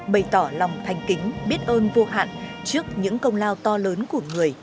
bày tỏ lòng thanh kính biết ơn vô hạn trước những công lao to lớn của người